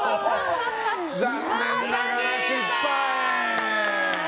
残念ながら失敗！